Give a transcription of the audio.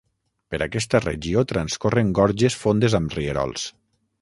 Per aquesta regió transcorren gorges fondes amb rierols.